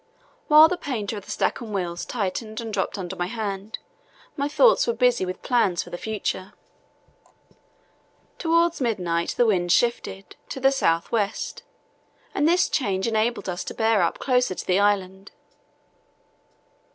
While the painter of the Stancomb Wills tightened and drooped under my hand, my thoughts were busy with plans for the future. Towards midnight the wind shifted to the south west, and this change enabled us to bear up closer to the island.